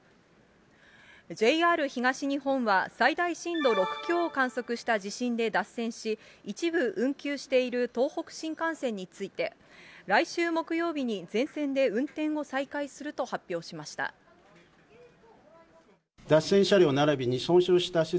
ＪＲ東日本は、最大震度６強を観測した地震で脱線し、一部運休している東北新幹線について、来週木曜日に全線で運転を再開すると発表しました。